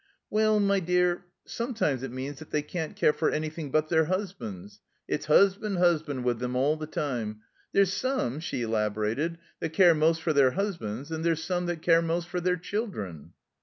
"Well, my dear, sometimes it means that they can't care for anything but their 'usbands. It's 'usband, 'usband with them all the time. There's some," she elaborated, "that care most for their 'usbands, and there's some that care most for their children."